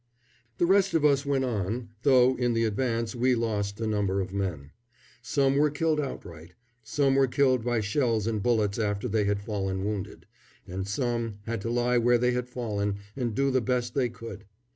The rest of us went on, though in the advance we lost a number of men. Some were killed outright; some were killed by shells and bullets after they had fallen wounded, and some had to lie where they had fallen and do the best they could.